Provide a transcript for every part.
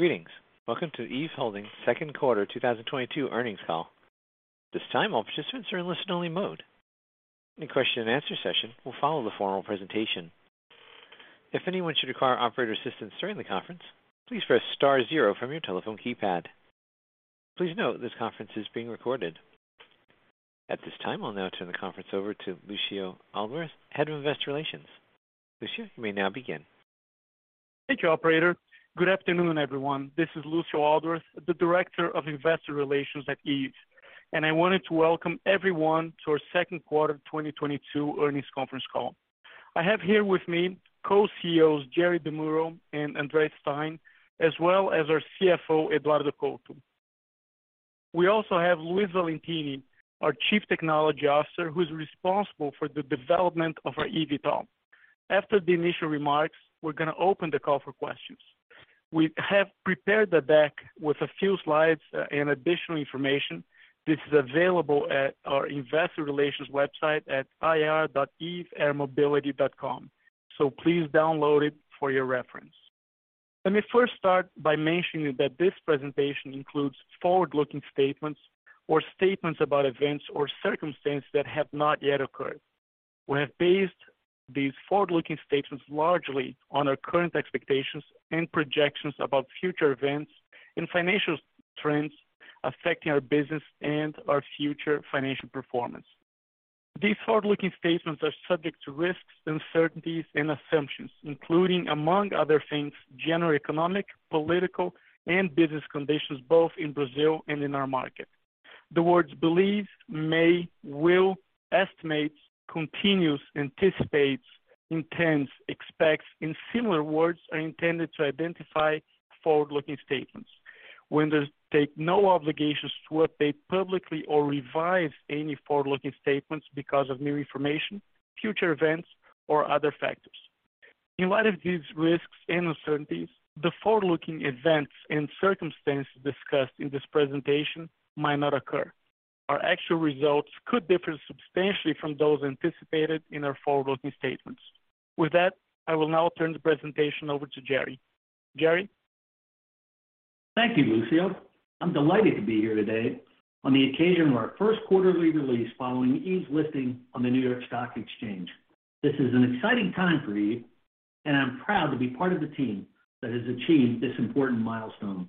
Greetings. Welcome to Eve Holding's second quarter 2022 earnings call. At this time, all participants are in listen-only mode. A question and answer session will follow the formal presentation. If anyone should require operator assistance during the conference, please press star zero from your telephone keypad. Please note this conference is being recorded. At this time, I'll now turn the conference over to Lucio Aldworth, Head of Investor Relations. Lucio, you may now begin. Thank you operator. Good afternoon, everyone. This is Lucio Aldworth, the Director of Investor Relations at Eve, and I wanted to welcome everyone to our second quarter of 2022 earnings conference call. I have here with me Co-CEOs Jerry DeMuro and Andre Stein, as well as our CFO, Eduardo Couto. We also have Luiz Valentini, our Chief Technology Officer, who is responsible for the development of our eVTOL. After the initial remarks, we're going to open the call for questions. We have prepared the deck with a few slides and additional information. This is available at our investor relations website at ir.eveairmobility.com. Please download it for your reference. Let me first start by mentioning that this presentation includes forward-looking statements or statements about events or circumstances that have not yet occurred. We have based these forward-looking statements largely on our current expectations and projections about future events and financial trends affecting our business and our future financial performance. These forward-looking statements are subject to risks, uncertainties, and assumptions, including, among other things, general economic, political, and business conditions, both in Brazil and in our market. The words believe, may, will, estimate, continues, anticipates, intends, expects, and similar words are intended to identify forward-looking statements. We undertake no obligations to update publicly or revise any forward-looking statements because of new information, future events, or other factors. In light of these risks and uncertainties, the forward-looking events and circumstances discussed in this presentation might not occur. Our actual results could differ substantially from those anticipated in our forward-looking statements. With that, I will now turn the presentation over to Jerry DeMuro. Jerry DeMuro? Thank you Lucio. I'm delighted to be here today on the occasion of our first quarterly release following Eve's listing on the New York Stock Exchange. This is an exciting time for Eve, and I'm proud to be part of the team that has achieved this important milestone.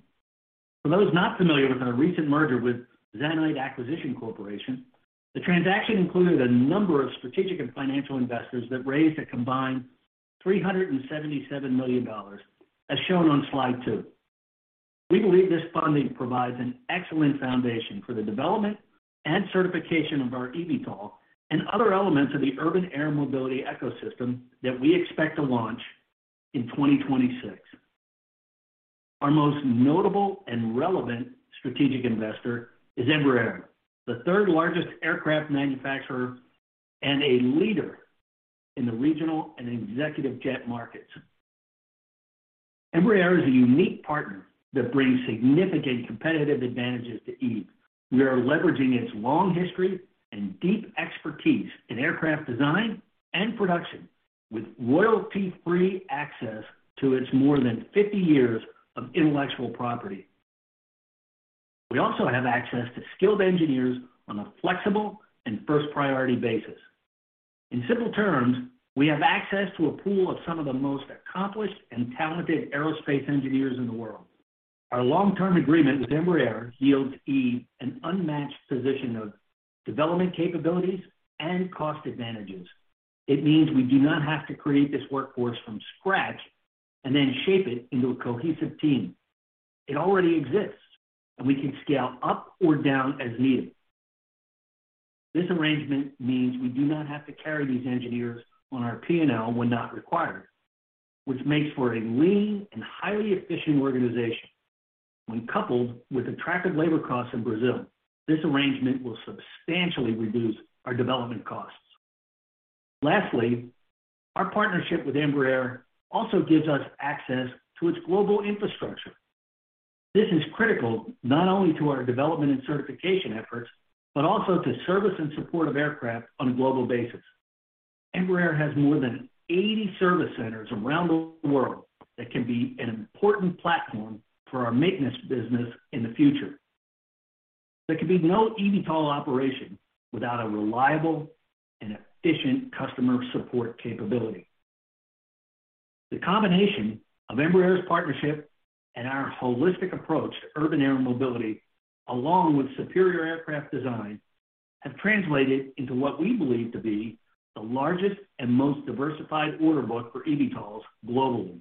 For those not familiar with our recent merger with Zanite Acquisition Corporation, the transaction included a number of strategic and financial investors that raised a combined $377 million, as shown on slide 2. We believe this funding provides an excellent foundation for the development and certification of our eVTOL and other elements of the urban air mobility ecosystem that we expect to launch in 2026. Our most notable and relevant strategic investor is Embraer, the third-largest aircraft manufacturer and a leader in the regional and executive jet markets. Embraer is a unique partner that brings significant competitive advantages to Eve. We are leveraging its long history and deep expertise in aircraft design and production with royalty-free access to its more than 50 years of intellectual property. We also have access to skilled engineers on a flexible and first priority basis. In simple terms, we have access to a pool of some of the most accomplished and talented aerospace engineers in the world. Our long-term agreement with Embraer yields Eve an unmatched position of development capabilities and cost advantages. It means we do not have to create this workforce from scratch and then shape it into a cohesive team. It already exists, and we can scale up or down as needed. This arrangement means we do not have to carry these engineers on our P&L when not required, which makes for a lean and highly efficient organization. When coupled with attractive labor costs in Brazil, this arrangement will substantially reduce our development costs. Lastly, our partnership with Embraer also gives us access to its global infrastructure. This is critical not only to our development and certification efforts, but also to service and support of aircraft on a global basis. Embraer has more than 80 service centers around the world that can be an important platform for our maintenance business in the future. There can be no eVTOL operation without a reliable and efficient customer support capability. The combination of Embraer's partnership and our holistic approach to urban air mobility, along with superior aircraft design, have translated into what we believe to be the largest and most diversified order book for eVTOLs globally.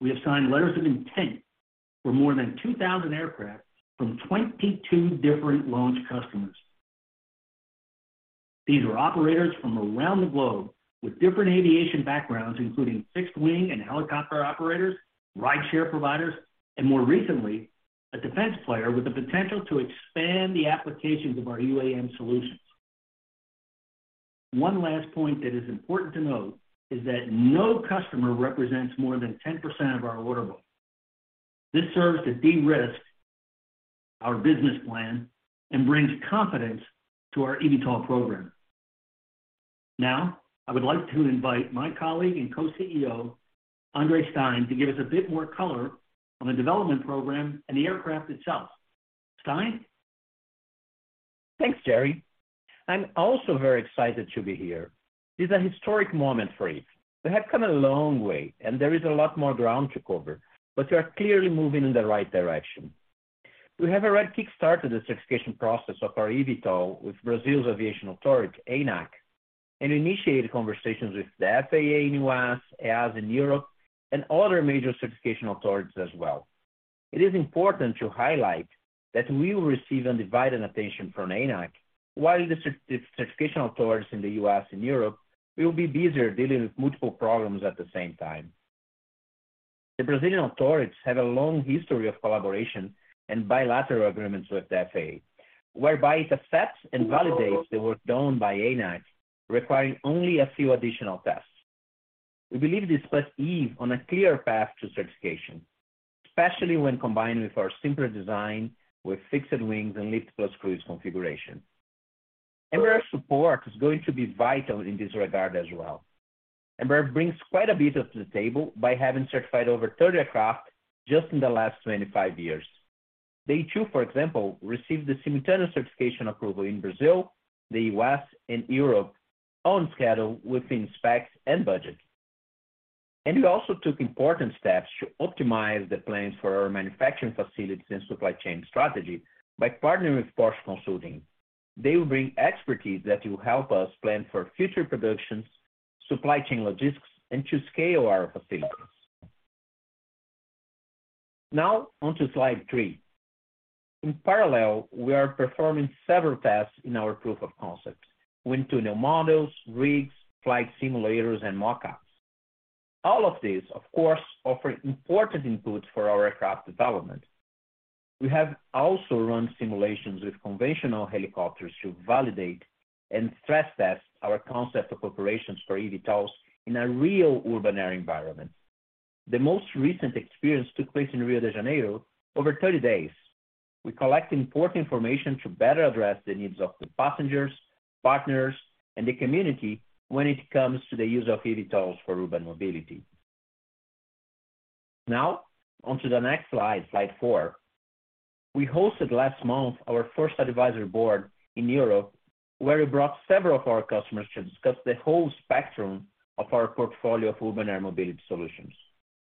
We have signed letters of intent for more than 2,000 aircraft from 22 different launch customers. These are operators from around the globe with different aviation backgrounds, including fixed wing and helicopter operators, rideshare providers, and more recently, a defense player with the potential to expand the applications of our UAM solutions. One last point that is important to note is that no customer represents more than 10% of our order book. This serves to de-risk our business plan and brings confidence to our eVTOL program. Now I would like to invite my colleague and co-CEO, Andre Stein, to give us a bit more color on the development program and the aircraft itself. Stein? Thanks Jerry. I'm also very excited to be here. This is a historic moment for Eve. We have come a long way, and there is a lot more ground to cover, but we are clearly moving in the right direction. We have already kick-started the certification process of our eVTOL with Brazil's aviation authority, ANAC, and initiated conversations with the FAA in U.S., EASA in Europe, and other major certification authorities as well. It is important to highlight that we will receive undivided attention from ANAC while the certification authorities in the U.S. and Europe will be busier dealing with multiple problems at the same time. The Brazilian authorities have a long history of collaboration and bilateral agreements with the FAA, whereby it accepts and validates the work done by ANAC, requiring only a few additional tests. We believe this puts Eve on a clear path to certification, especially when combined with our simpler design with fixed wings and lift plus cruise configuration. Embraer support is going to be vital in this regard as well. Embraer brings quite a bit to the table by having certified over 30 aircraft just in the last 25 years. They too, for example, received the simultaneous certification approval in Brazil, the U.S., and Europe on schedule within specs and budget. We also took important steps to optimize the plans for our manufacturing facilities and supply chain strategy by partnering with Porsche Consulting. They will bring expertise that will help us plan for future productions, supply chain logistics, and to scale our facilities. Now on to slide 3. In parallel, we are performing several tests in our proof of concepts. Wind tunnel models, rigs, flight simulators, and mock-ups. All of these, of course, offer important inputs for our aircraft development. We have also run simulations with conventional helicopters to validate and stress test our concept of operations for eVTOLs in a real urban air environment. The most recent experience took place in Rio de Janeiro over 30 days. We collected important information to better address the needs of the passengers, partners, and the community when it comes to the use of eVTOLs for urban mobility. Now on to the next slide 4. We hosted last month our first advisory board in Europe, where we brought several of our customers to discuss the whole spectrum of our portfolio of urban air mobility solutions,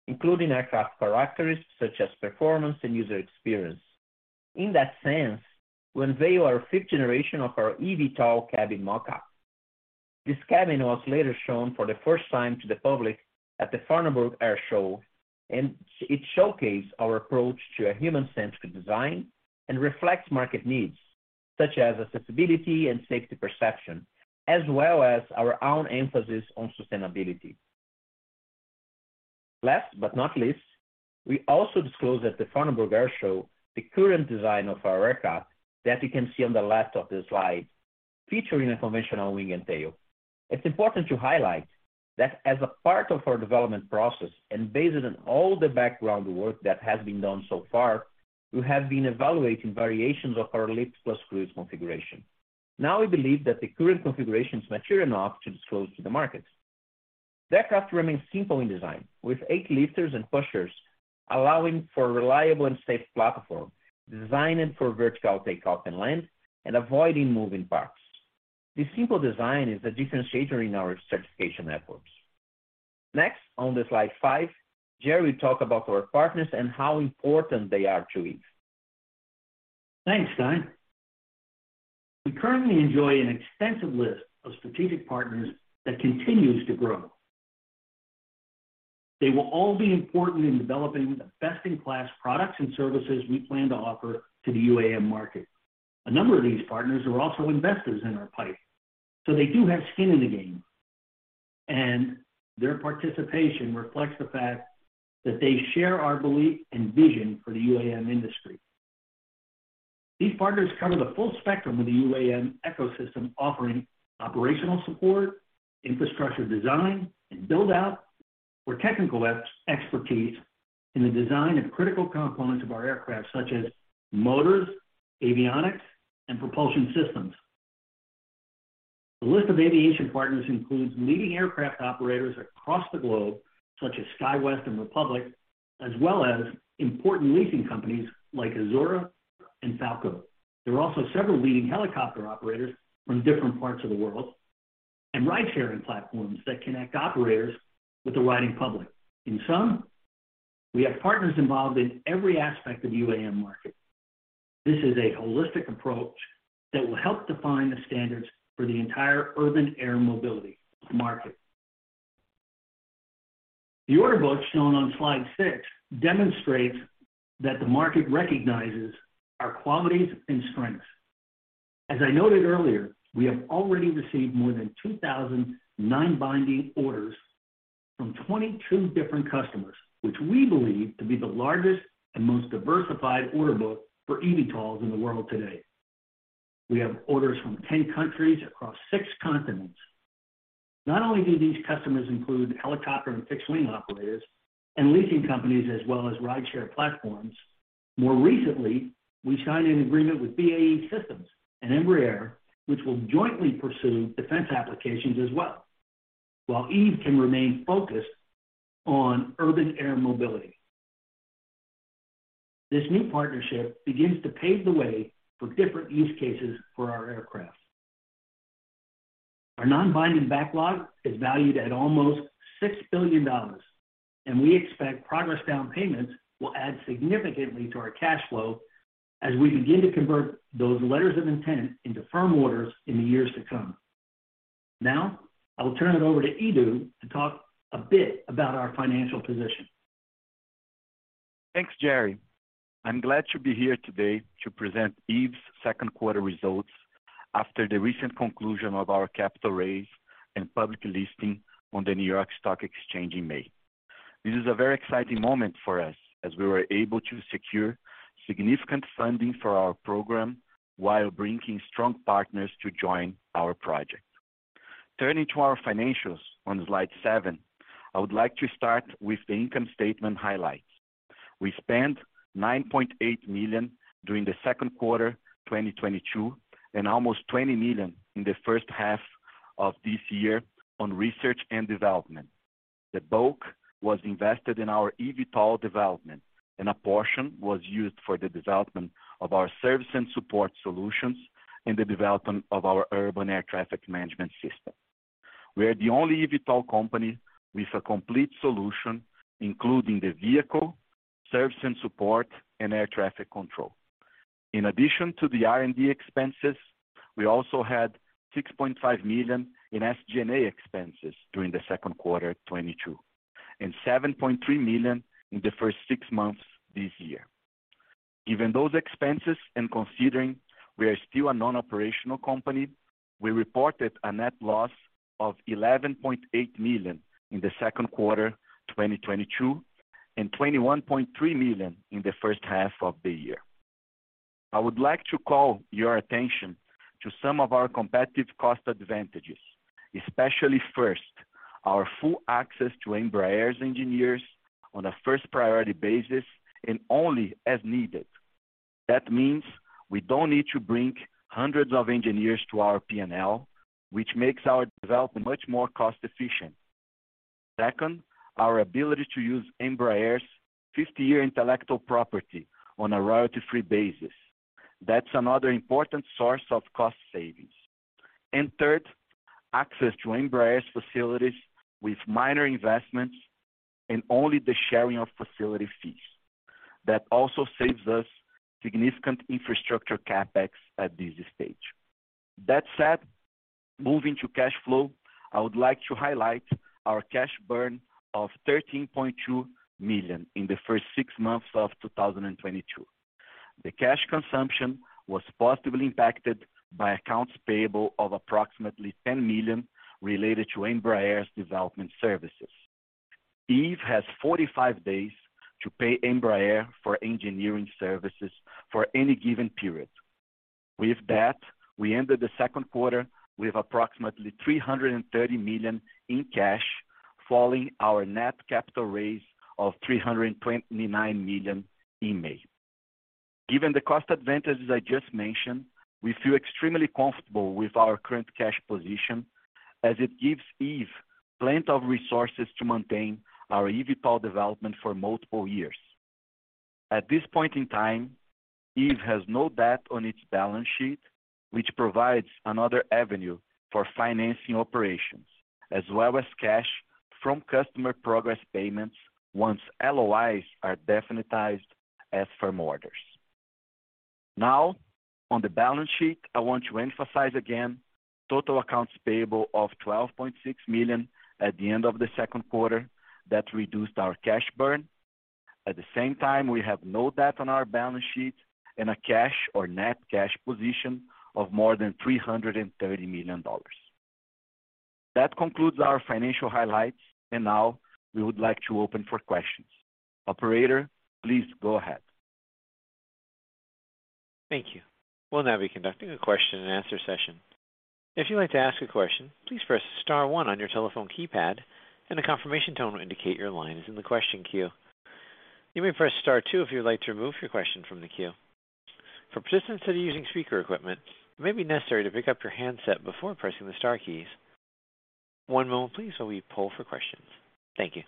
including aircraft characteristics such as performance and user experience. In that sense, we unveiled our fifth generation of our eVTOL cabin mock-up. This cabin was later shown for the first time to the public at the Farnborough Airshow, and it showcased our approach to a human-centric design and reflects market needs, such as accessibility and safety perception, as well as our own emphasis on sustainability. Last but not least, we also disclosed at the Farnborough Airshow the current design of our aircraft that you can see on the left of the slide, featuring a conventional wing and tail. It's important to highlight that as a part of our development process and based on all the background work that has been done so far, we have been evaluating variations of our lift plus cruise configuration. Now we believe that the current configuration is mature enough to disclose to the market. The aircraft remains simple in design with 8 lifters and pushers, allowing for a reliable and safe platform, designed for vertical takeoff and landing and avoiding moving parts. This simple design is a differentiator in our certification efforts. Next, on Slide 5, Jerry will talk about our partners and how important they are to Eve. Thanks Stein. We currently enjoy an extensive list of strategic partners that continues to grow. They will all be important in developing the best-in-class products and services we plan to offer to the UAM market. A number of these partners are also investors in our PIPE, so they do have skin in the game, and their participation reflects the fact that they share our belief and vision for the UAM industry. These partners cover the full spectrum of the UAM ecosystem, offering operational support, infrastructure design and build-out, or technical expertise in the design of critical components of our aircraft such as motors, avionics, and propulsion systems. The list of aviation partners includes leading aircraft operators across the globe such as SkyWest and Republic, as well as important leasing companies like Azorra and Falko. There are also several leading helicopter operators from different parts of the world and ridesharing platforms that connect operators with the riding public. In sum, we have partners involved in every aspect of UAM market. This is a holistic approach that will help define the standards for the entire urban air mobility market. The order book shown on slide 6 demonstrates that the market recognizes our qualities and strengths. As I noted earlier, we have already received more than 2,000 non-binding orders from 22 different customers, which we believe to be the largest and most diversified order book for eVTOLs in the world today. We have orders from 10 countries across 6 continents. Not only do these customers include helicopter and fixed-wing operators and leasing companies as well as rideshare platforms. More recently, we signed an agreement with BAE Systems and Embraer, which will jointly pursue defense applications as well, while Eve can remain focused on urban air mobility. This new partnership begins to pave the way for different use cases for our aircraft. Our non-binding backlog is valued at almost $6 billion, and we expect progress down payments will add significantly to our cash flow as we begin to convert those letters of intent into firm orders in the years to come. Now, I will turn it over to Edu to talk a bit about our financial position. Thanks Jerry. I'm glad to be here today to present Eve's second quarter results after the recent conclusion of our capital raise and public listing on the New York Stock Exchange in May. This is a very exciting moment for us as we were able to secure significant funding for our program while bringing strong partners to join our project. Turning to our financials on slide 7, I would like to start with the income statement highlights. We spent $9.8 million during the second quarter 2022, and almost $20 million in the first half of this year on research and development. The bulk was invested in our eVTOL development, and a portion was used for the development of our service and support solutions and the development of our urban air traffic management system. We are the only eVTOL company with a complete solution, including the vehicle, service and support, and air traffic control. In addition to the R&D expenses, we also had $6.5 million in SG&A expenses during the second quarter 2022, and $7.3 million in the first six months this year. Given those expenses and considering we are still a non-operational company, we reported a net loss of $11.8 million in the second quarter 2022, and $21.3 million in the first half of the year. I would like to call your attention to some of our competitive cost advantages, especially first, our full access to Embraer's engineers on a first priority basis and only as needed. That means we don't need to bring hundreds of engineers to our P&L, which makes our development much more cost-efficient. Second, our ability to use Embraer's 50-year intellectual property on a royalty-free basis. That's another important source of cost savings. Third, access to Embraer's facilities with minor investments and only the sharing of facility fees. That also saves us significant infrastructure CapEx at this stage. That said, moving to cash flow, I would like to highlight our cash burn of $13.2 million in the first six months of 2022. The cash consumption was positively impacted by accounts payable of approximately $10 million related to Embraer's development services. Eve has 45 days to pay Embraer for engineering services for any given period. With that, we ended the second quarter with approximately $330 million in cash, following our net capital raise of $329 million in May. Given the cost advantages I just mentioned, we feel extremely comfortable with our current cash position as it gives Eve plenty of resources to maintain our eVTOL development for multiple years. At this point in time, Eve has no debt on its balance sheet, which provides another avenue for financing operations, as well as cash from customer progress payments once LOIs are definitized as firm orders. Now on the balance sheet, I want to emphasize again total accounts payable of $12.6 million at the end of the second quarter that reduced our cash burn. At the same time, we have no debt on our balance sheet and a cash or net cash position of more than $330 million. That concludes our financial highlights, and now we would like to open for questions. Operator, please go ahead. Thank you. We'll now be conducting a question and answer session. If you'd like to ask a question, please press star one on your telephone keypad, and a confirmation tone will indicate your line is in the question queue. You may press star two if you would like to remove your question from the queue. For participants that are using speaker equipment, it may be necessary to pick up your handset before pressing the star keys. One moment please while we pull for questions. Thank you.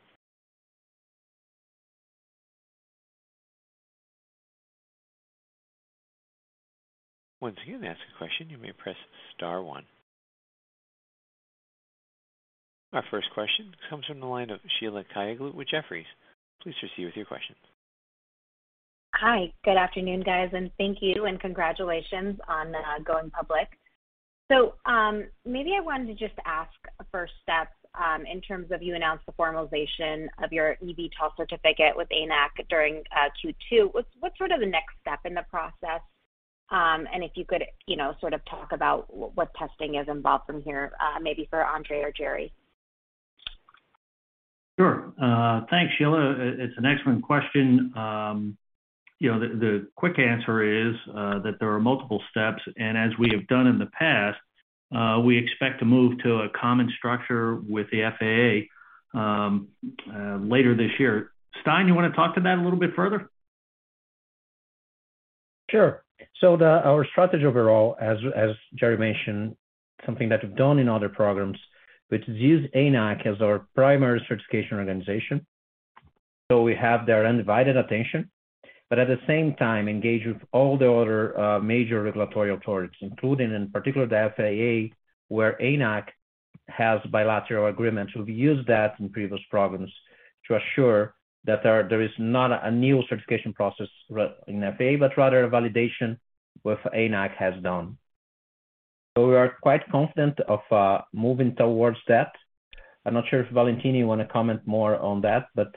Once again, to ask a question, you may press star one. Our first question comes from the line of Sheila Kahyaoglu with Jefferies. Please proceed with your question. Hi good afternoon guys and thank you and congratulations on going public. Maybe I wanted to just ask first steps in terms of you announced the formalization of your eVTOL certificate with ANAC during Q2. What's sort of the next step in the process? And if you could, you know, sort of talk about what testing is involved from here, maybe for Andre or Jerry. Sure. Thanks Sheila. It's an excellent question. You know, the quick answer is that there are multiple steps, and as we have done in the past, we expect to move to a common structure with the FAA later this year. Stein, you want to talk to that a little bit further? Sure. Our strategy overall as Jerry mentioned, something that we've done in other programs, which is use ANAC as our primary certification organization. We have their undivided attention, but at the same time, engage with all the other major regulatory authorities, including in particular the FAA, where ANAC has bilateral agreements. We've used that in previous programs to assure that there is not a new certification process in the FAA, but rather a validation of what ANAC has done. We are quite confident of moving towards that. I'm not sure if Valentini you wanna comment more on that, but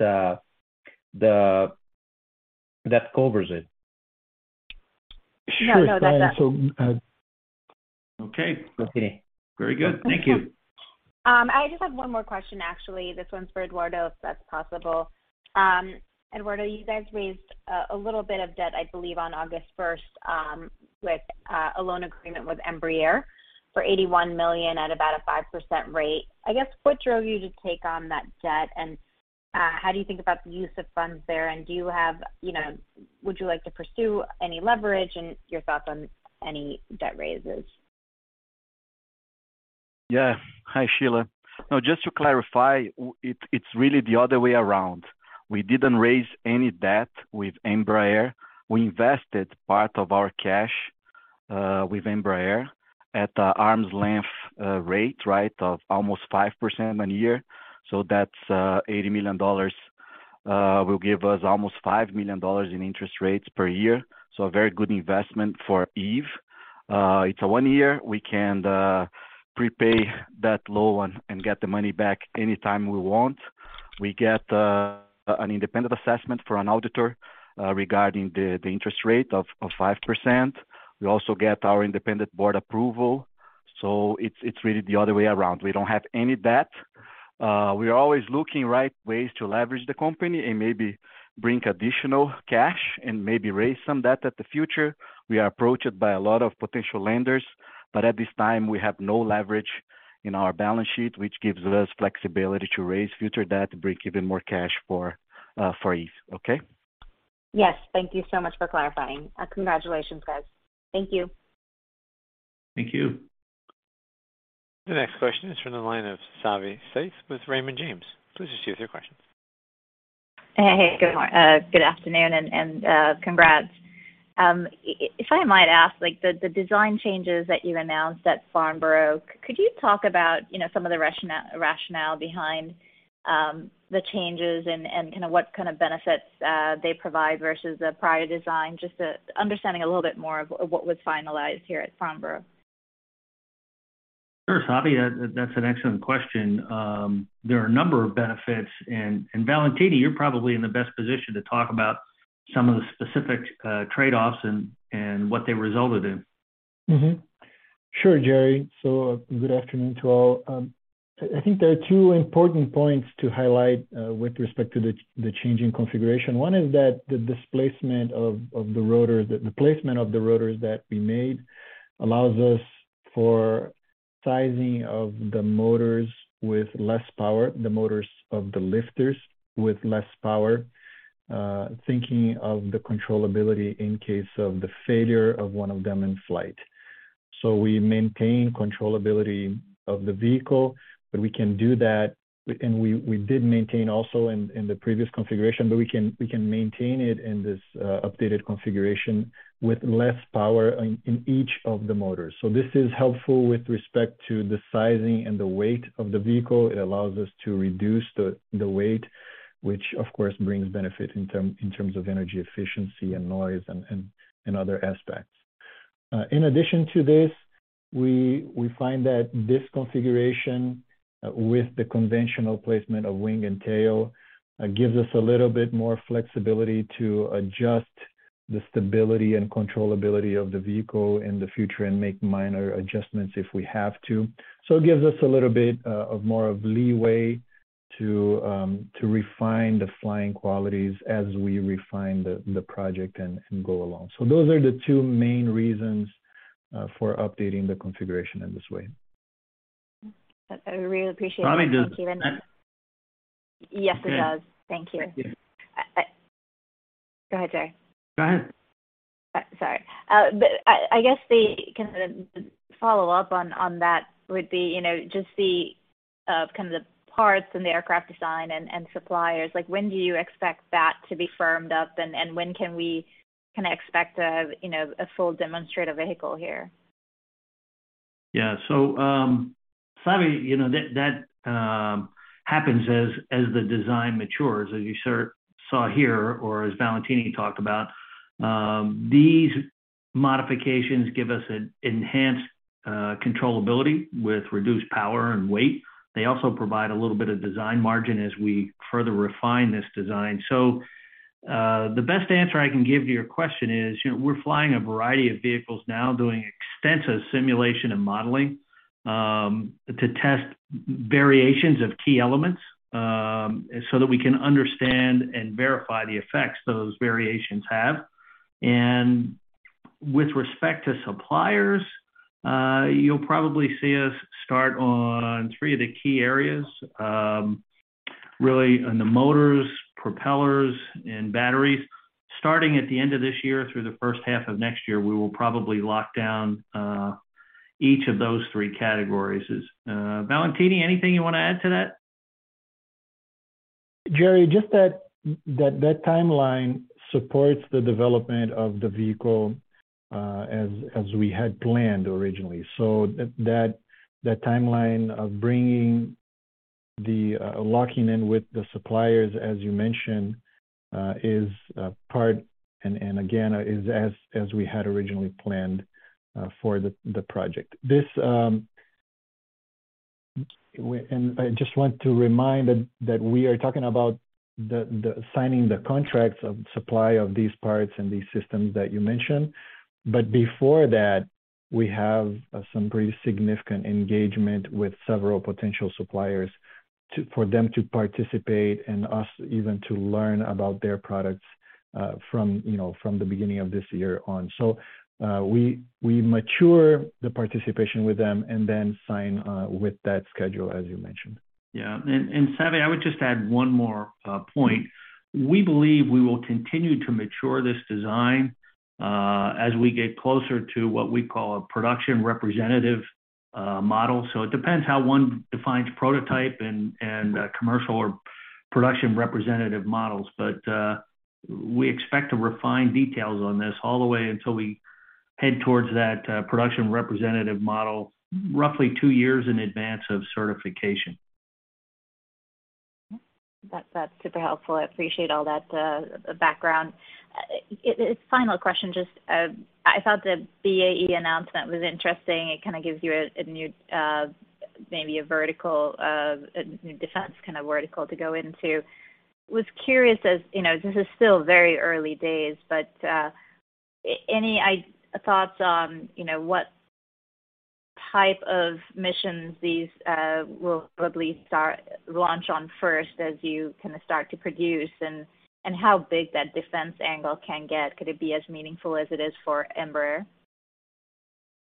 that covers it. No no. That's it. Sure Stein, so okay. Okay. Very good. Thank you. I just have one more question, actually. This one's for Eduardo, if that's possible. Eduardo, you guys raised a little bit of debt, I believe, on August first, with a loan agreement with Embraer for $81 million at about a 5% rate. I guess, what drove you to take on that debt, and how do you think about the use of funds there? Would you like to pursue any leverage, and your thoughts on any debt raises? Yeah. Hi Sheila. No, just to clarify, it's really the other way around. We didn't raise any debt with Embraer. We invested part of our cash with Embraer at arm's length rate, right, of almost 5% a year. That's $80 million will give us almost $5 million in interest rates per year. A very good investment for Eve. It's a one-year. We can prepay that loan and get the money back anytime we want. We get an independent assessment from an auditor regarding the interest rate of 5%. We also get our independent board approval, so it's really the other way around. We don't have any debt. We are always looking for ways to leverage the company and maybe bring additional cash and maybe raise some debt in the future. We are approached by a lot of potential lenders, but at this time, we have no leverage in our balance sheet, which gives us flexibility to raise future debt to bring even more cash for Eve. Okay? Yes. Thank you so much for clarifying. Congratulations, guys. Thank you. Thank you. The next question is from the line of Savanthi Syth with Raymond James. Please proceed with your question. Hey good afternoon and congrats. If I might ask, like the design changes that you announced at Farnborough, could you talk about, you know, some of the rationale behind the changes and kinda what kind of benefits they provide versus the prior design, just to understanding a little bit more of what was finalized here at Farnborough? Sure Savi. That's an excellent question. There are a number of benefits and Valentini, you're probably in the best position to talk about some of the specific trade-offs and what they resulted in. Sure Jerry. Good afternoon to all. I think there are two important points to highlight with respect to the changing configuration. One is that the displacement of the rotors, the placement of the rotors that we made allows us for sizing of the motors with less power, the motors of the lifters with less power, thinking of the controllability in case of the failure of one of them in flight. We maintain controllability of the vehicle, but we can do that, and we did maintain also in the previous configuration, but we can maintain it in this updated configuration with less power in each of the motors. This is helpful with respect to the sizing and the weight of the vehicle. It allows us to reduce the weight, which of course brings benefit in terms of energy efficiency and noise and other aspects. In addition to this, we find that this configuration with the conventional placement of wing and tail gives us a little bit more flexibility to adjust the stability and controllability of the vehicle in the future and make minor adjustments if we have to. It gives us a little bit more leeway to refine the flying qualities as we refine the project and go along. Those are the two main reasons for updating the configuration in this way. I really appreciate that Valentini. Savi does that? Yes it does. Thank you. Thank you. Go ahead Jerry. Go ahead. Sorry. I guess the kind of follow-up on that would be, you know, just the kind of the parts and the aircraft design and suppliers. Like, when do you expect that to be firmed up, and when can we kinda expect a, you know, a full demonstrator vehicle here? Yeah Savi, you know, that happens as the design matures. As you saw here or as Valentini talked about, these modifications give us an enhanced controllability with reduced power and weight. They also provide a little bit of design margin as we further refine this design. The best answer I can give to your question is, you know, we're flying a variety of vehicles now, doing extensive simulation and modeling to test variations of key elements so that we can understand and verify the effects those variations have. With respect to suppliers, you'll probably see us start on three of the key areas, really on the motors, propellers, and batteries. Starting at the end of this year through the first half of next year, we will probably lock down each of those three categories. Valentini anything you want to add to that? Jerry, just that timeline supports the development of the vehicle, as we had planned originally. That timeline of bringing the locking in with the suppliers, as you mentioned, is part and again is as we had originally planned for the project. I just want to remind that we are talking about the signing the contracts of supply of these parts and these systems that you mentioned. Before that, we have some pretty significant engagement with several potential suppliers for them to participate and us even to learn about their products, from you know from the beginning of this year on. We mature the participation with them and then sign with that schedule, as you mentioned. Yeah Savi I would just add one more point. We believe we will continue to mature this design as we get closer to what we call a production representative model. It depends how one defines prototype and commercial or production representative models. We expect to refine details on this all the way until we head towards that production representative model roughly two years in advance of certification. That's super helpful. I appreciate all that background. Final question, just, I thought the BAE announcement was interesting. It kind of gives you a new, maybe a vertical, a new defense kind of vertical to go into. I was curious as you know, this is still very early days, but any thoughts on you know what type of missions these will probably launch on first as you kind of start to produce and how big that defense angle can get? Could it be as meaningful as it is for Embraer?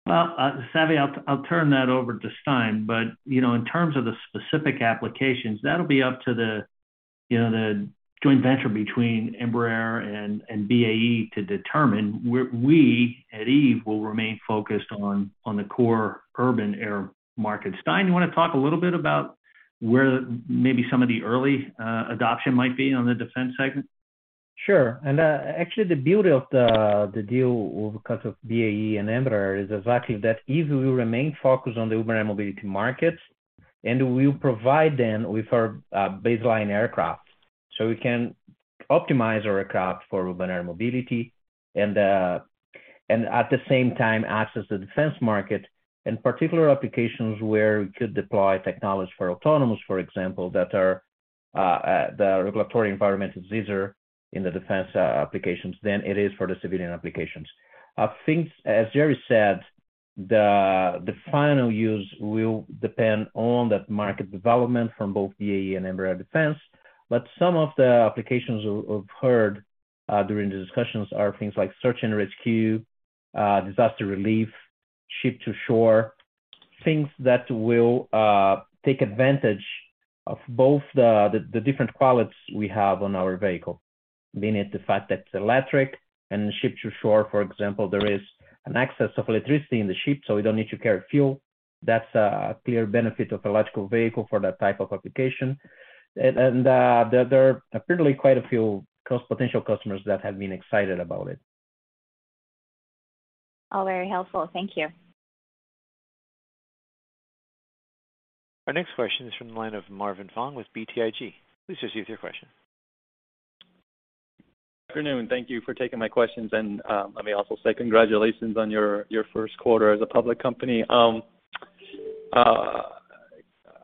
Well Savi, I'll turn that over to Stein, but you know, in terms of the specific applications, that'll be up to the, you know, the joint venture between Embraer and BAE to determine. We at Eve will remain focused on the core urban air market. Stein, you want to talk a little bit about where maybe some of the early adoption might be on the defense segment? Sure. Actually the beauty of the deal because of BAE and Embraer is exactly that Eve will remain focused on the urban air mobility market, and we'll provide them with our baseline aircraft. We can optimize our aircraft for urban air mobility and at the same time access the defense market, in particular applications where we could deploy technology for autonomous, for example, that are the regulatory environment is easier in the defense applications than it is for the civilian applications. I think, as Jerry said, the final use will depend on that market development from both BAE and Embraer Defense. Some of the applications we've heard during the discussions are things like search and rescue, disaster relief, ship-to-shore, things that will take advantage of both the different qualities we have on our vehicle, meaning the fact that it's electric and ship-to-shore, for example, there is an excess of electricity in the ship, so we don't need to carry fuel. That's a clear benefit of electric vehicle for that type of application. There are apparently quite a few potential customers that have been excited about it. All very helpful. Thank you. Our next question is from the line of Marvin Fong with BTIG. Please proceed with your question. Good afternoon. Thank you for taking my questions. Let me also say congratulations on your first quarter as a public company.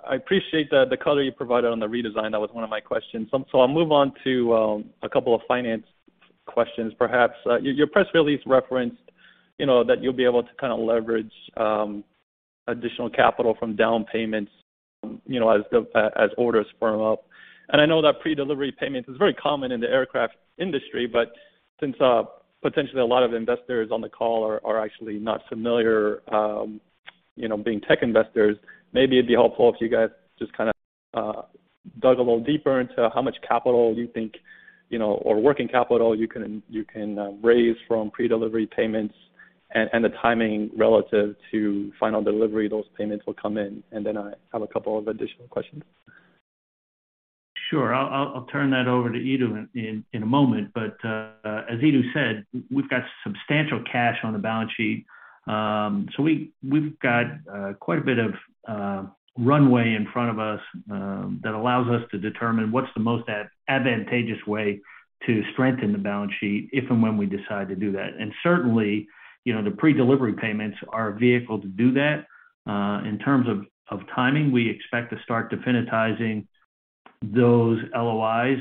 I appreciate the color you provided on the redesign. That was one of my questions. I'll move on to a couple of finance questions perhaps. Your press release referenced, you know, that you'll be able to kind of leverage additional capital from down payments, you know, as orders firm up. I know that pre-delivery payments is very common in the aircraft industry. Since potentially a lot of investors on the call are actually not familiar, you know, being tech investors, maybe it'd be helpful if you guys just kind of dug a little deeper into how much capital you think, you know, or working capital you can raise from pre-delivery payments and the timing relative to final delivery those payments will come in. Then I have a couple of additional questions. Sure. I'll turn that over to Edu in a moment. As Edu said, we've got substantial cash on the balance sheet. We've got quite a bit of runway in front of us, that allows us to determine what's the most advantageous way to strengthen the balance sheet if and when we decide to do that. Certainly, you know, the pre-delivery payments are a vehicle to do that. In terms of timing, we expect to start definitizing those LOIs,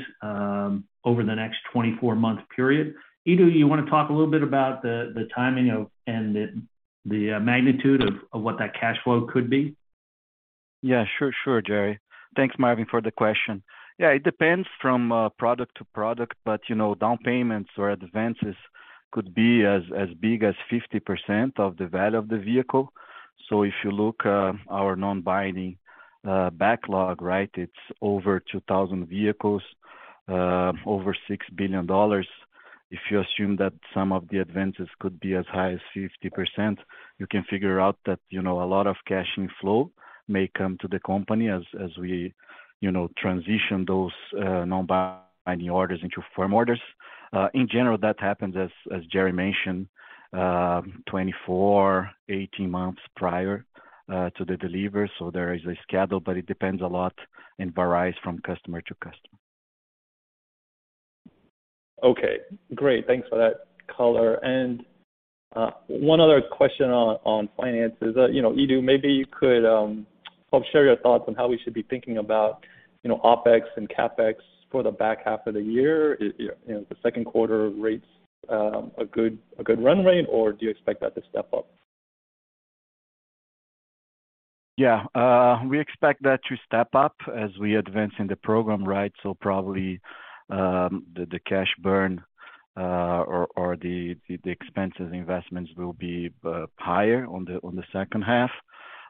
over the next 24-month period. Edu, you wanna talk a little bit about the timing of and the magnitude of what that cash flow could be? Yeah sure Jerry. Thanks Marvin for the question. Yeah, it depends on product to product, but you know, down payments or advances could be as big as 50% of the value of the vehicle. So if you look our non-binding backlog, right, it's over 2,000 vehicles over $6 billion. If you assume that some of the advances could be as high as 50%, you can figure out that, you know, a lot of cash flow may come to the company as we, you know, transition those non-binding orders into firm orders. In general, that happens as Jerry mentioned 24-18 months prior to the delivery. So there is a schedule, but it depends a lot and varies from customer to customer. Okay great. Thanks for that color. One other question on finances. You know, Edu, maybe you could help share your thoughts on how we should be thinking about, you know, OpEx and CapEx for the back half of the year. You know, is the second quarter run rate a good run rate, or do you expect that to step up? We expect that to step up as we advance in the program, right? Probably, the cash burn or the expenses investments will be higher on the second half.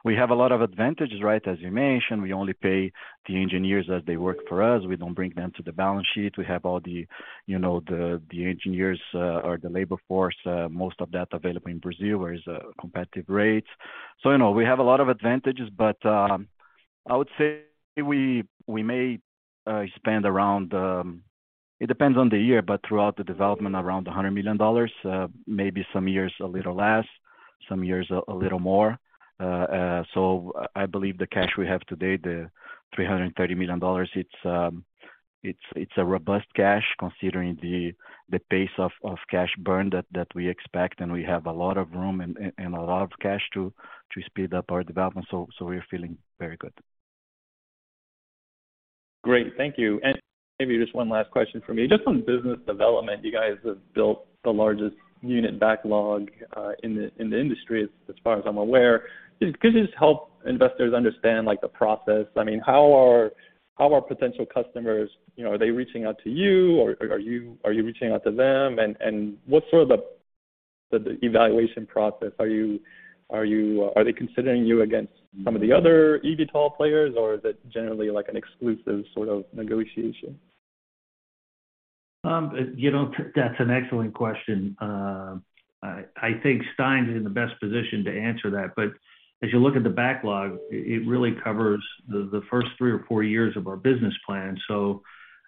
We have a lot of advantages, right? As you mentioned, we only pay the engineers as they work for us. We don't bring them to the balance sheet. We have all the, you know, the engineers or the labor force most of that available in Brazil, where there are competitive rates. You know, we have a lot of advantages. I would say we may spend around $100 million. It depends on the year, but throughout the development, around $100 million, maybe some years a little less, some years a little more. I believe the cash we have today, the $330 million, it's a robust cash considering the pace of cash burn that we expect, and we have a lot of room and a lot of cash to speed up our development. We're feeling very good. Great thank you. Maybe just one last question for me. Just on business development, you guys have built the largest unit backlog in the industry as far as I'm aware. Could you just help investors understand like the process? I mean, how are potential customers, you know, are they reaching out to you or are you reaching out to them? And what's sort of the evaluation process? Are they considering you against some of the other eVTOL players, or is it generally like an exclusive sort of negotiation? You know, that's an excellent question. I think Stein is in the best position to answer that. But as you look at the backlog, it really covers the first three or four years of our business plan.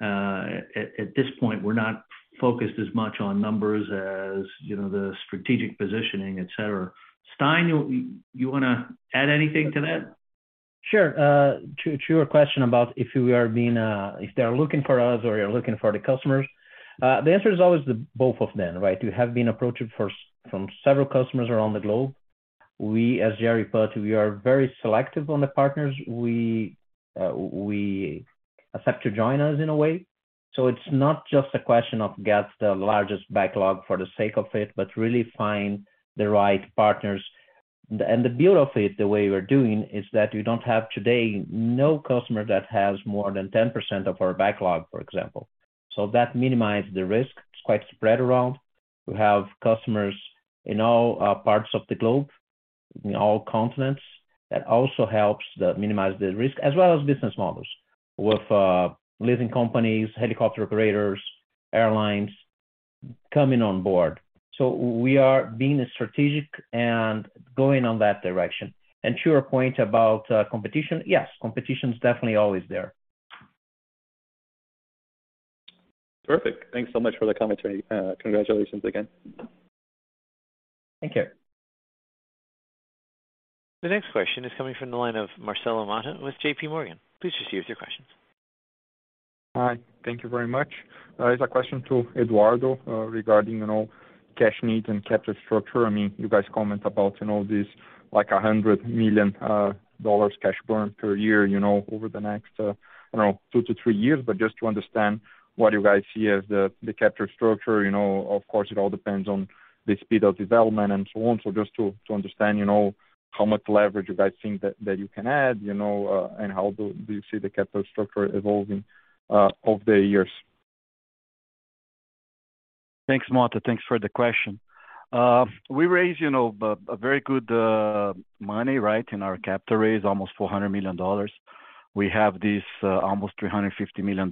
At this point, we're not focused as much on numbers as, you know, the strategic positioning, etc. Stein, you wanna add anything to that? Sure. To your question about if we are being, if they're looking for us or you're looking for the customers, the answer is always the both of them, right? We have been approached first by several customers around the globe. We, as Jerry put, are very selective on the partners we accept to join us in a way. It's not just a question of getting the largest backlog for the sake of it, but really finding the right partners. The beauty of it, the way we're doing, is that we don't have to date no customer that has more than 10% of our backlog, for example. That minimizes the risk. It's quite spread around. We have customers in all parts of the globe, in all continents. That also helps to minimize the risk, as well as business models with leasing companies, helicopter operators, airlines coming on board. We are being strategic and going on that direction. To your point about competition, yes, competition is definitely always there. Perfect thanks so much for the commentary. Congratulations again. Thank you. The next question is coming from the line of Marcelo Motta with JP Morgan. Please proceed with your question. Hi. Thank you very much. It's a question to Eduardo Couto, regarding, you know, cash needs and capital structure. I mean, you guys comment about, you know, this like $100 million cash burn per year, you know, over the next, I don't know, two to three years. Just to understand what you guys see as the capital structure. You know, of course, it all depends on the speed of development and so on. Just to understand, you know, how much leverage you guys think that you can add, you know, and how do you see the capital structure evolving over the years? Thanks Marcelo Motta. Thanks for the question. We raised, you know, a very good money, right, in our capital raise, almost $400 million. We have this, almost $350 million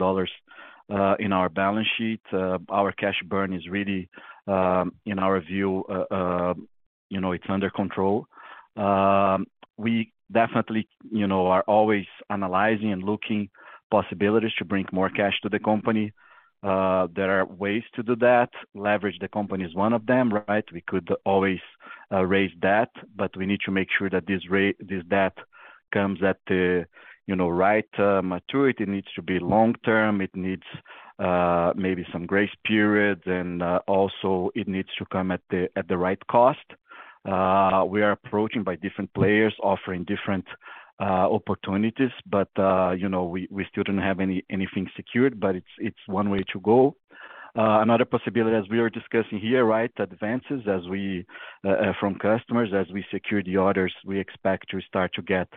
in our balance sheet. Our cash burn is really, in our view, you know, it's under control. We definitely, you know, are always analyzing and looking possibilities to bring more cash to the company. There are ways to do that. Leverage the company is one of them, right? We could always, raise debt, but we need to make sure that this debt comes at the, you know, right, maturity. It needs to be long term. It needs, maybe some grace period, and, also it needs to come at the, at the right cost. We are approached by different players offering different opportunities, but you know, we still don't have anything secured, but it's one way to go. Another possibility as we are discussing here, right? Advances from customers as we secure the orders, we expect to start to get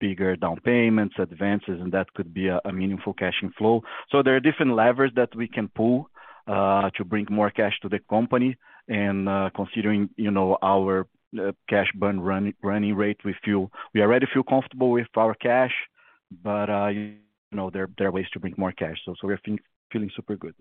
bigger down payments, advances, and that could be a meaningful cash flow. There are different levers that we can pull to bring more cash to the company. Considering you know, our cash burn rate, we already feel comfortable with our cash, but you know, there are ways to bring more cash. We're feeling super good.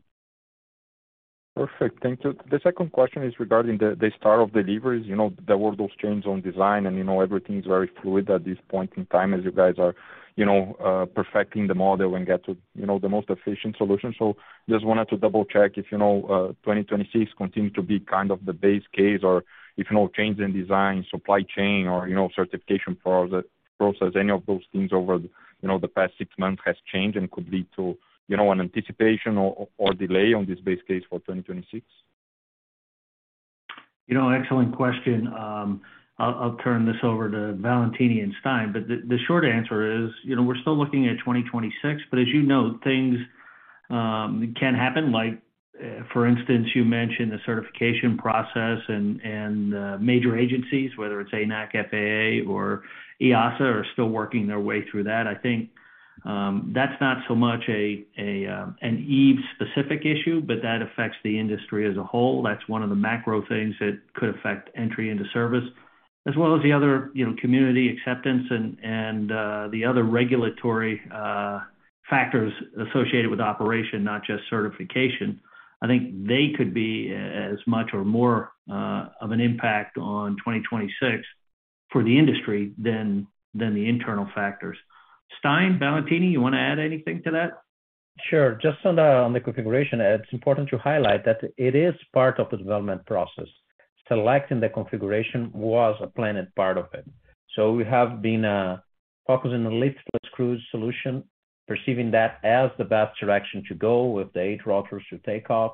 Perfect thank you. The second question is regarding the start of deliveries. You know, there were those changes on design and, you know, everything is very fluid at this point in time as you guys are, you know, perfecting the model and get to, you know, the most efficient solution. So just wanted to double-check if, you know, 2026 continues to be kind of the base case or if, you know, change in design, supply chain or, you know, certification process, any of those things over, you know, the past six months has changed and could lead to, you know, an anticipation or delay on this base case for 2026. You know, excellent question. I'll turn this over to Valentini and Stein. The short answer is, you know, we're still looking at 2026, but as you know, things can happen, like, for instance, you mentioned the certification process and major agencies, whether it's ANAC, FAA or EASA, are still working their way through that. I think that's not so much an Eve specific issue, but that affects the industry as a whole. That's one of the macro things that could affect entry into service as well as the other, you know, community acceptance and the other regulatory factors associated with operation, not just certification. I think they could be as much or more of an impact on 2026 for the industry than the internal factors. Stein, Valentini, you want to add anything to that? Sure. Just on the configuration, it's important to highlight that it is part of the development process. Selecting the configuration was a planned part of it. We have been focusing on lift plus cruise solution, perceiving that as the best direction to go with the eight rotors to take off.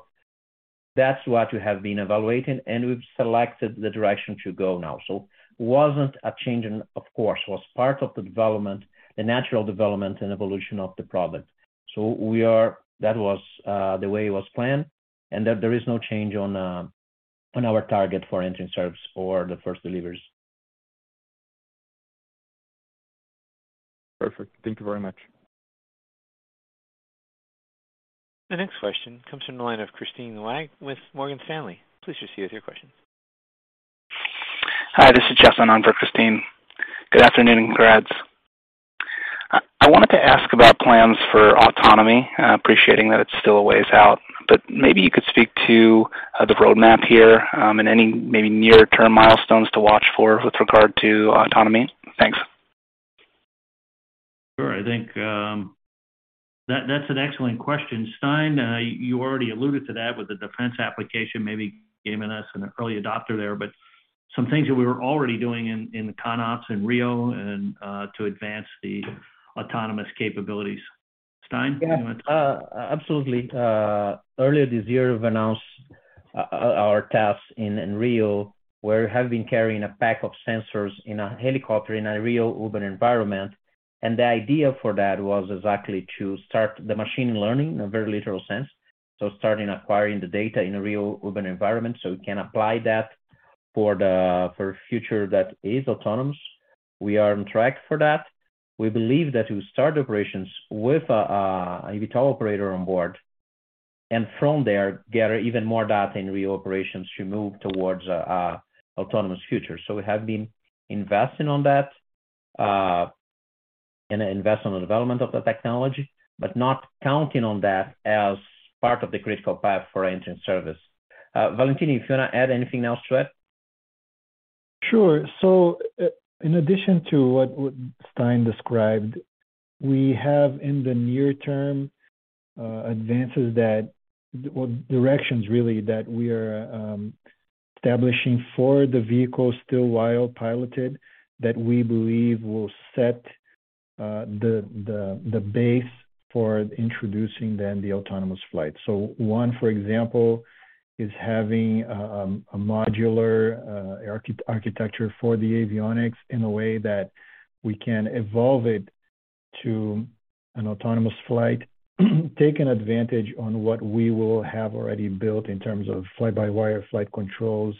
That's what we have been evaluating, and we've selected the direction to go now. It wasn't a change in course, was part of the development, the natural development and evolution of the product. That was the way it was planned, and that there is no change on our target for entry in service or the first deliveries. Perfect. Thank you very much. The next question comes from the line of Kristine Liwag with Morgan Stanley. Please proceed with your question. Hi this is Jeff Lennon for Kristine Liwag. Good afternoon, congrats. I wanted to ask about plans for autonomy, appreciating that it's still a ways out, but maybe you could speak to the roadmap here, and any maybe near-term milestones to watch for with regard to autonomy. Thanks. Sure. I think that's an excellent question. Stein, you already alluded to that with the defense application, maybe giving us an early adopter there. Some things that we were already doing in ConOps in Rio and to advance the autonomous capabilities. Stein? Yeah. Absolutely. Earlier this year we've announced our tests in Rio, where we have been carrying a pack of sensors in a helicopter in a real urban environment. The idea for that was exactly to start the machine learning in a very literal sense. Starting acquiring the data in a real urban environment, so we can apply that for a future that is autonomous. We are on track for that. We believe that we start operations with an eVTOL operator on board, and from there, gather even more data in real operations to move towards autonomous future. We have been investing on that and invest on the development of the technology, but not counting on that as part of the critical path for entry in service. Valentini, if you want to add anything else to it? Sure. In addition to what Stein described, we have in the near term advances or directions really that we are establishing for the vehicle still while piloted that we believe will set the base for introducing the autonomous flight. One, for example, is having a modular architecture for the avionics in a way that we can evolve it to an autonomous flight, take advantage of what we will have already built in terms of fly-by-wire flight controls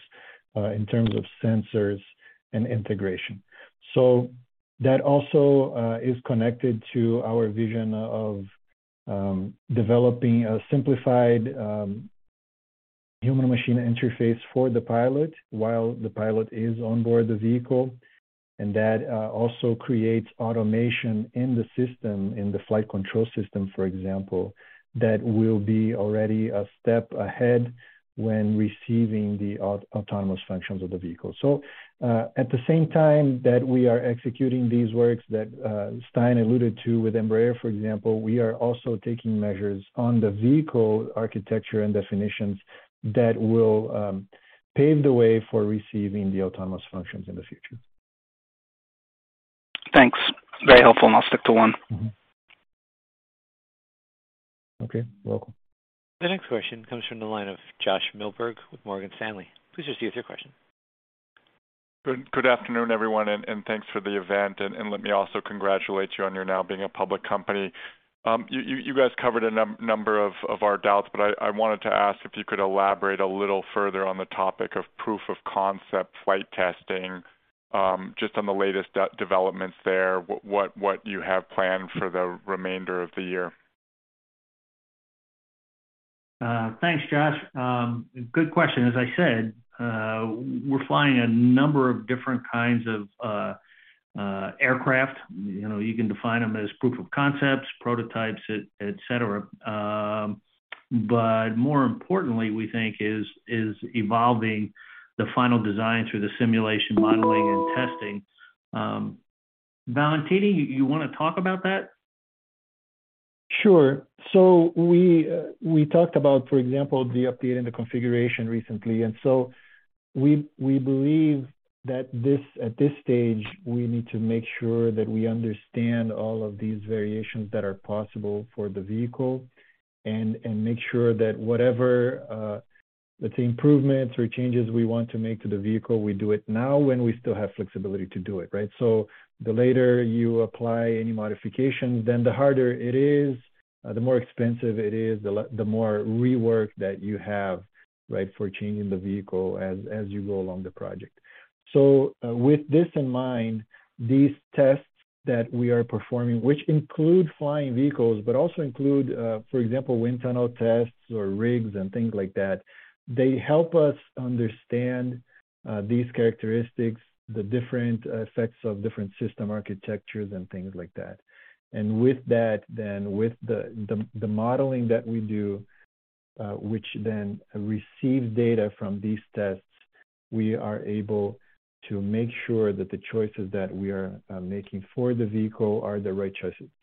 in terms of sensors and integration. That also is connected to our vision of developing a simplified human machine interface for the pilot while the pilot is on board the vehicle. That also creates automation in the system, in the flight control system, for example, that will be already a step ahead when receiving the autonomous functions of the vehicle. At the same time that we are executing these works that Stein alluded to with Embraer, for example, we are also taking measures on the vehicle architecture and definitions that will pave the way for receiving the autonomous functions in the future. Thanks. Very helpful. I'll stick to one. Okay. Welcome. The next question comes from the line of Josh Milberg with Morgan Stanley. Please proceed with your question. Good afternoon everyone, and thanks for the event. Let me also congratulate you on your now being a public company. You guys covered a number of our doubts, but I wanted to ask if you could elaborate a little further on the topic of proof of concept flight testing, just on the latest developments there, what you have planned for the remainder of the year. Thanks Josh. Good question. As I said, we're flying a number of different kinds of aircraft. You know, you can define them as proof of concepts, prototypes, et cetera. But more importantly, we think is evolving the final design through the simulation modeling and testing. Valentini, you wanna talk about that? Sure. We talked about for example, the update in the configuration recently. We believe that this, at this stage, we need to make sure that we understand all of these variations that are possible for the vehicle and make sure that whatever, the improvements or changes we want to make to the vehicle, we do it now when we still have flexibility to do it, right? The later you apply any modifications, then the harder it is, the more expensive it is, the more rework that you have, right, for changing the vehicle as you go along the project. With this in mind, these tests that we are performing, which include flying vehicles, but also include, for example, wind tunnel tests or rigs and things like that, they help us understand these characteristics, the different effects of different system architectures and things like that. With that then, with the modeling that we do, which then receives data from these tests, we are able to make sure that the choices that we are making for the vehicle are the right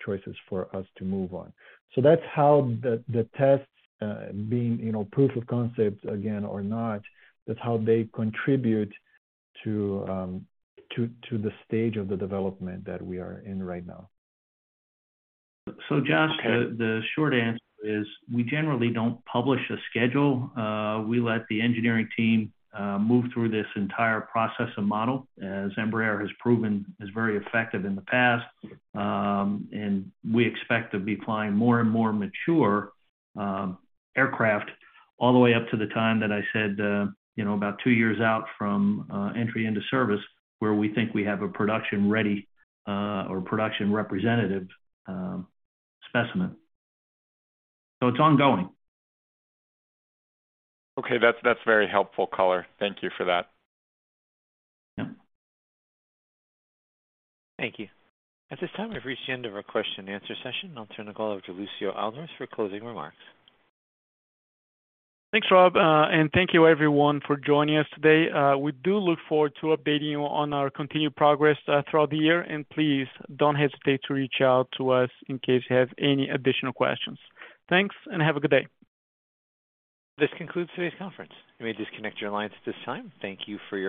choices for us to move on. That's how the tests, being, you know, proof of concept again or not, that's how they contribute to the stage of the development that we are in right now. Josh. Okay. The short answer is we generally don't publish a schedule. We let the engineering team move through this entire process and model, as Embraer has proven as very effective in the past. We expect to be flying more and more mature aircraft all the way up to the time that I said, you know, about two years out from entry into service, where we think we have a production-ready or production representative specimen. It's ongoing. Okay. That's very helpful color. Thank you for that. Yeah. Thank you. At this time, we've reached the end of our question and answer session. I'll turn the call over to Lucio Aldworth for closing remarks. Thanks Rob. Thank you everyone for joining us today. We do look forward to updating you on our continued progress throughout the year. Please don't hesitate to reach out to us in case you have any additional questions. Thanks and have a good day. This concludes today's conference. You may disconnect your lines at this time. Thank you for your participation.